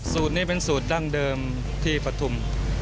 สูตรนี้เป็นสูตรดั้งเดิมที่ปฐุม